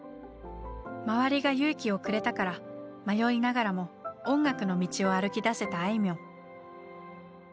周りが勇気をくれたから迷いながらも音楽の道を歩きだせたあいみょん。